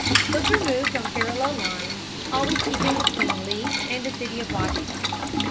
Hooker moved on parallel lines, always keeping between Lee and the city of Washington.